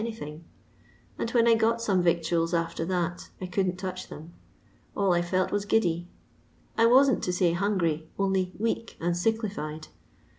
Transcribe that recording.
anything; and when I got some yictnals after that, I couldn't touch them. All I felt was giddy ; I wam't to laj hungry, only weak and tieklified.